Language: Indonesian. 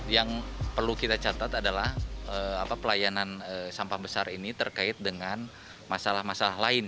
yang perlu kita catat adalah pelayanan sampah besar ini terkait dengan masalah masalah lain